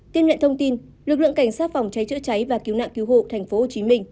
tiêm lệnh thông tin lực lượng cảnh sát phòng cháy chữa cháy và cứu nạn cứu hộ tp hcm